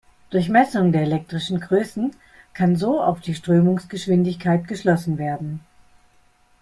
Durch Messung der elektrischen Größen kann so auf die Strömungsgeschwindigkeit geschlossen werden.